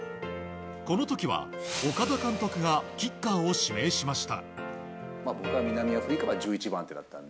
この時は、岡田監督がキッカーを指名しました。